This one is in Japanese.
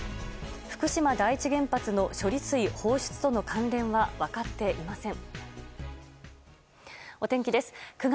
福島第一原発の処理水放出との関連は分かっていません。